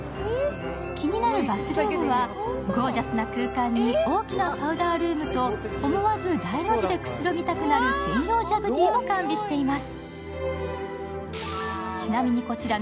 気になるバスルームはゴージャスな空間に大きなパウダールームと思わず大の字でくつろぎたくなる専用ジャグジーも完備しています。